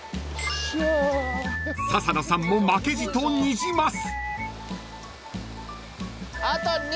［笹野さんも負けじとニジマス］